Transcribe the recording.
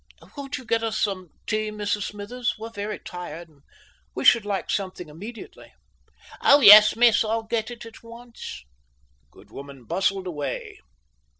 "Won't you get us some tea, Mrs Smithers? We're very tired, and we should like something immediately." "Yes, miss. I'll get it at once." The good woman bustled away.